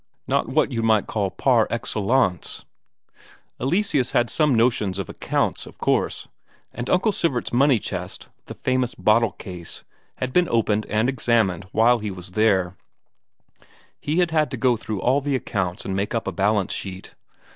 Not what you might call par excellence." Eleseus had some notions of accounts, of course, and Uncle Sivert's money chest, the famous bottle case, had been opened and examined while he was there; he had had to go through all the accounts and make up a balance sheet.